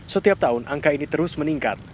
setiap tahun angka ini terus meningkat